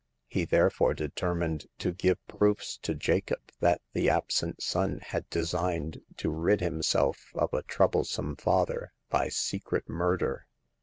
He there fore determined to give proofs to Jacob that the absent son had designed to rid himself of a troublesome father by secret murder.